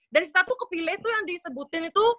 dan sita tuh kepilih tuh yang disebutin itu